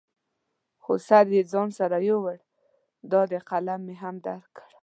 خو سر یې ځان سره یوړ، دا دی قلم مې هم درکړ.